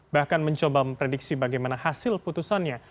bahkan mencoba memprediksi bagaimana hasil putusannya